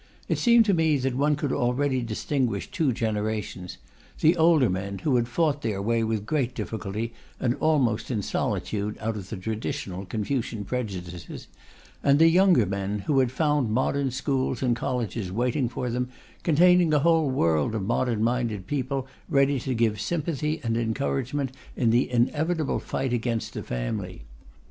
It seemed to me that one could already distinguish two generations: the older men, who had fought their way with great difficulty and almost in solitude out of the traditional Confucian prejudices; and the younger men, who had found modern schools and colleges waiting for them, containing a whole world of modern minded people ready to give sympathy and encouragement in the inevitable fight against the family.